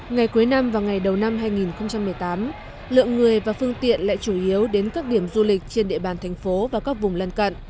ngày cuối năm và ngày đầu năm hai nghìn một mươi tám lượng người và phương tiện lại chủ yếu đến các điểm du lịch trên địa bàn thành phố và các vùng lân cận